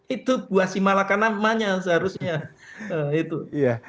itu gua simalakan namanya seharusnya